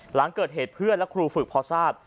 หลังเกิดเหตุเพื่อนและครูฝึกพอทราบ